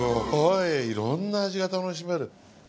いろんな味が楽しめる。